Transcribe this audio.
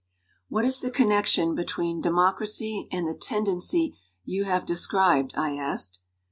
"What is the connection between democracy and the tendency you have described?" I asked.